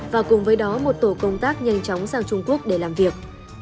và cùng với đó một tổ công tác nhanh chóng sang trung quốc để làm việc